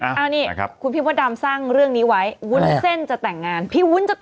อันนี้คุณพี่พระดำสร้างเรื่องนี้ไว้วุ้นเส้นจะแต่งงาน